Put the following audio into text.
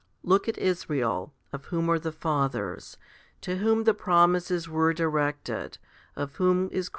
Look at Israel, of whom are the fathers, to whom the promises were directed, of whom is Christ 1 Rom.